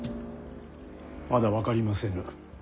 まだ分かりませぬ。